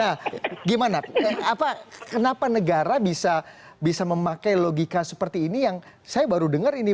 nah gimana kenapa negara bisa memakai logika seperti ini yang saya baru dengar ini